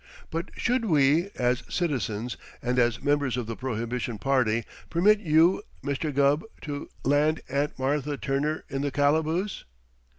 But should we, as citizens, and as members of the Prohibition Party, permit you, Mr. Gubb, to land Aunt Martha Turner in the calaboose?"